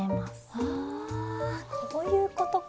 はあこういうことか！